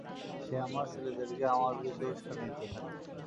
সে আমার ছেলেদেরকে আমার বিরুদ্ধে উস্কানি দিতে থাকে।